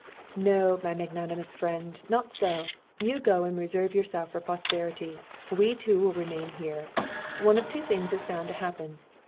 "No, my magnanimous friend. Not so! You go and reserve yourself for posterity. We two will remain here. One of two things is bound to happen.